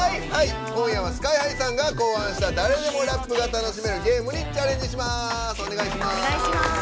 今夜はＳＫＹ‐ＨＩさんが考案した誰でもラップが楽しめるゲームにチャレンジします。